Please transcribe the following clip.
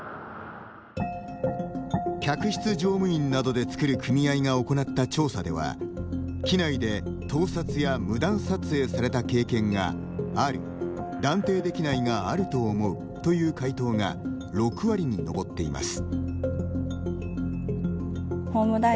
客室乗務員などで作る組合が行った調査では機内で盗撮や無断撮影された経験が「ある」「断定できないがあると思う」という回答が６割に上っています。